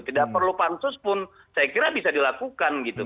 tidak perlu pansus pun saya kira bisa dilakukan gitu